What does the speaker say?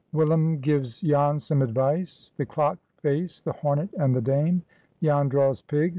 WILLUM GIVES JAN SOME ADVICE.—THE CLOCK FACE.—THE HORNET AND THE DAME.—JAN DRAWS PIGS.